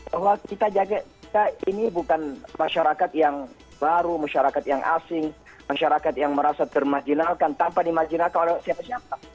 bahwa kita ini bukan masyarakat yang baru masyarakat yang asing masyarakat yang merasa termarginalkan tanpa dimarginalkan oleh siapa siapa